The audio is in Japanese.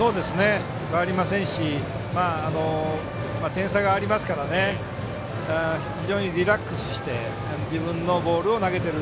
変わりませんし点差がありますから非常にリラックスして自分のボールを投げている。